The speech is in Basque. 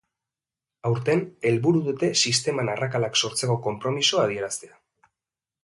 Aurten, helburu dute sisteman arrakalak sortzeko konpromisoa adieraztea.